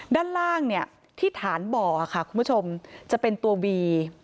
ด้านล่างเนี่ยที่ฐานบ่อค่ะคุณผู้ชมจะเป็นตัววี